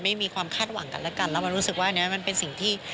ไม่มีความคาดหวังกันและกันแล้วมันรู้สึกว่าอันนี้มันเป็นสิ่งที่